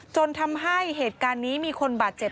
จนทำให้เหตุการณ์นี้มีคนบาดเจ็บ